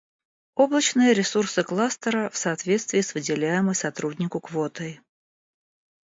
Облачные ресурсы кластера в соответствии с выделяемой сотруднику квотой